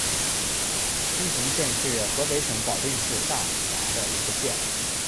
阜平县是河北省保定市下辖的一个县。